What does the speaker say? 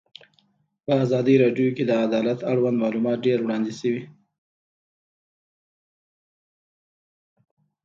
په ازادي راډیو کې د عدالت اړوند معلومات ډېر وړاندې شوي.